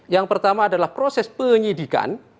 yang pertama adalah proses penyidikan